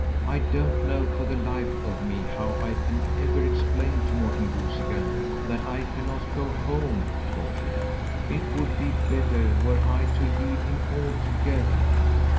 "I don't know for the life of me how I can ever explain to Morten Goosey Gander that I cannot go home," thought he. "It would be better were I to leave him altogether.